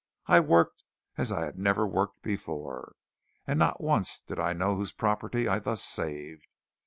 I worked as I had never worked before, and not once did I know whose property I thus saved.